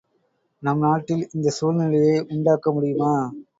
நம் நாட்டில் இந்தச் சூழ்நிலையை உண்டாக்க முடியுமா?